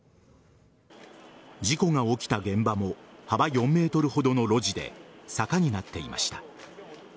事故が起きた現場も幅４ｍほどの路地で坂になっていました。